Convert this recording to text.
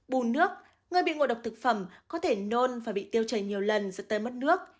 bùn nước người bị ngộ độc thực phẩm có thể nôn và bị tiêu chảy nhiều lần dẫn tới mất nước